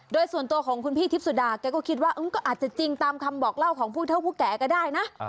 โดยส่วนตัวของคุณพี่ทิพสุดาแกก็คิดว่าก็อาจจะจริงตามคำบอกเล่าของผู้เท่าผู้แก่ก็ได้นะ